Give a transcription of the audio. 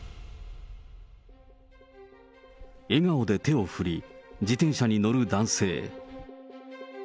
笑顔で手を振り、自転車に乗る男性。